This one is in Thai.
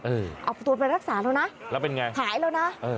เอาตัวไปรักษาแล้วนะหายแล้วนะ